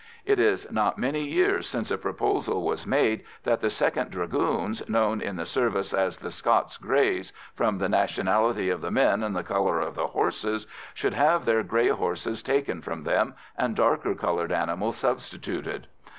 It is not many years since a proposal was made that the 2nd Dragoons, known in the service as the Scots Greys, from the nationality of the men and the colour of the horses, should have their grey horses taken from them and darker coloured animals substituted.